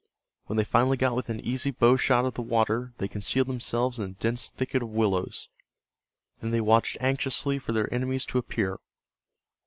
When they finally got within easy bow shot of the water they concealed themselves in a dense thicket of willows. Then they watched anxiously for their enemies to appear.